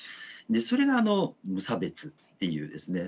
それが無差別っていうですね